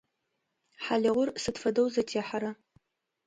Хьалыгъур сыд фэдэу зетхьэра?